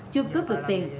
chưa cướp được tiền